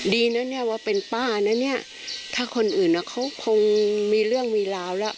ดีนะเนี่ยว่าเป็นป้านะเนี่ยถ้าคนอื่นอ่ะเขาคงมีเรื่องมีราวแล้ว